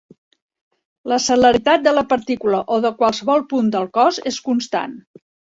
La celeritat de la partícula o de qualsevol punt del cos és constant.